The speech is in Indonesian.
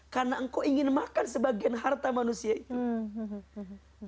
karena engkau ingin makan sebagian harta manusia itu